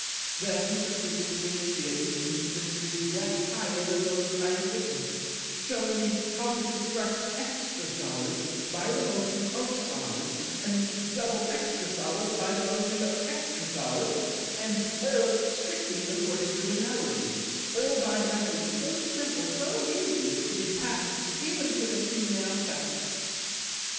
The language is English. Then he proceeded to initiate me into mysteries yet higher than those I had witnessed, shewing me how to construct Extra Solids by the motion of Solids, and Double Extra Solids by the motion of Extra Solids, and all "strictly according to Analogy," all by methods so simple, so easy, as to be patent even to the Female Sex.